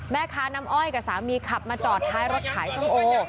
แม่ค้าน้ำอ้อยกับสามีขับมาจอดท้ายรถขายส้มโอ